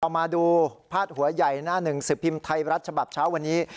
เอามาดูพาดหัวใหญ่หน้าหนึ่งสิบพิมพ์ไทยรัฐฉบับเช้าวันนี้